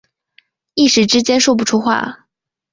一时之间说不出话